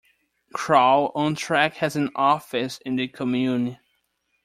Kroll Ontrack has an office in the commune.